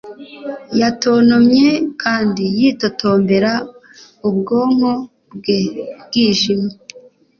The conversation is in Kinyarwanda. Yatontomye kandi yitotombera ubwonko bwe bwijimye